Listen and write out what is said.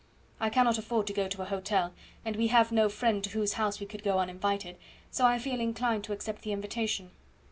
I cannot afford to go to a hotel, and we have no friend to whose house we could go uninvited, so I feel inclined to accept the invitation."